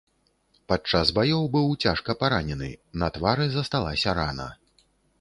Падчас баёў быў цяжка паранены, на твары засталася рана.